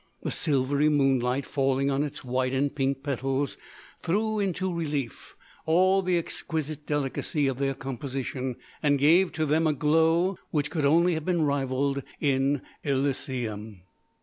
The silvery moonlight, falling on its white and pink petals, threw into relief all the exquisite delicacy of their composition, and gave to them a glow which could only have been rivalled in Elysium.